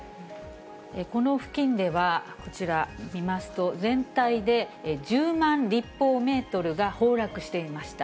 この付近では、こちら見ますと、全体で１０万立方メートルが崩落していました。